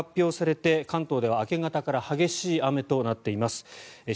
昨日、関東・甲信地方の梅雨入りが発表されて関東では明け方から激しい雨となっています。